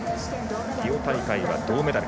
リオ大会は銅メダル。